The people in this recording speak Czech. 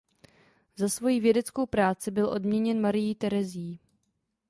Za svojí vědeckou práci byl odměněn Marií Terezií.